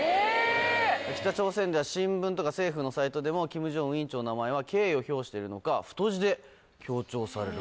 北朝鮮では新聞とか政府のサイトでも金正恩委員長の名前は敬意を表してるのか太字で強調される。